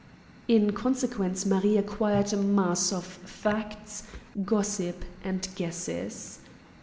In consequence Marie acquired a mass of facts, gossip, and guesses.